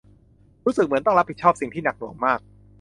รู้สึกเหมือนต้องรับผิดชอบสิ่งที่หนักหน่วงมาก